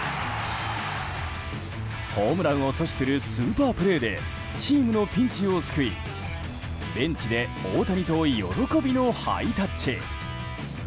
ホームランを阻止するスーパープレーでチームのピンチを救い、ベンチで大谷と喜びのハイタッチ。